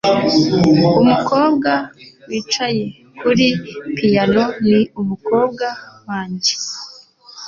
Umukobwa wicaye kuri piyano ni umukobwa wanjye.